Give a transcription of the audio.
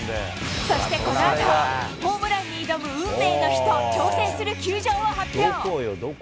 そしてこのあと、ホームランに挑む運命の日と挑戦する球場を発表。